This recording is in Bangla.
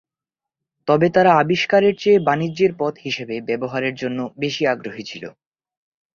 তবে তারা আবিষ্কারের চেয়ে বাণিজ্যের পথ হিসেবে ব্যবহারের জন্য বেশি আগ্রহী ছিল।